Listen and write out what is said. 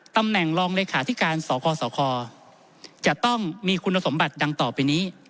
ตำแหน่งรองเลขาธิการสคสคจะต้องมีคุณสมบัติดังต่อไปนี้